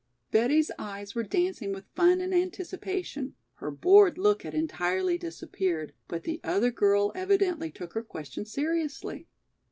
Betty's eyes were dancing with fun and anticipation, her bored look had entirely disappeared, but the other girl evidently took her question seriously.